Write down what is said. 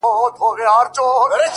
پرېميږده . پرېميږده سزا ده د خداى.